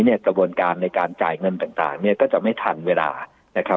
กระบวนการในการจ่ายเงินต่างเนี่ยก็จะไม่ทันเวลานะครับ